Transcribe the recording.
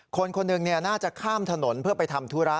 คนหนึ่งน่าจะข้ามถนนเพื่อไปทำธุระ